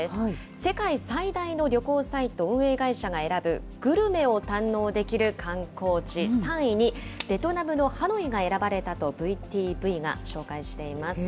世界最大の旅行サイト運営会社が選ぶ、グルメを堪能できる観光地、３位にベトナムのハノイが選ばれたとＶＴＶが紹介しています。